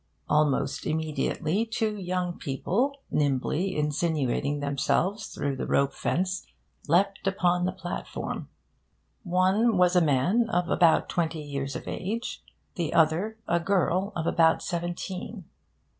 Almost immediately, two young people, nimbly insinuating themselves through the rope fence, leapt upon the platform. One was a man of about twenty years of age; the other, a girl of about seventeen.